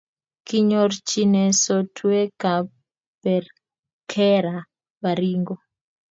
kinyorchine sotweekab perkera Baringo